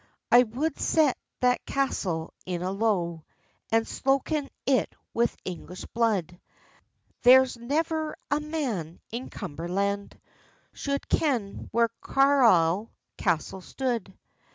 "I would set that castell in a low, And sloken it with English blood; There's nevir a man in Cumberland Should ken where Carlisle castell stood.